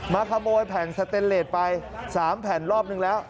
ขโมยแผ่นสเตนเลสไป๓แผ่นรอบนึงแล้ว